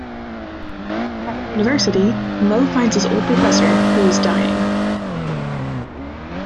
At the university, Moe finds his old professor, who is dying.